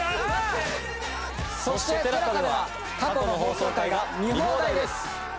そしてＴＥＬＡＳＡでは過去の放送回が見放題です！